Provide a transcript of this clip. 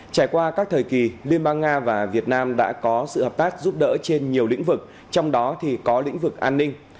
trải qua các thời kỳ liên bang nga và việt nam đã có sự hợp tác giúp đỡ trên nhiều lĩnh vực trong đó có lĩnh vực an ninh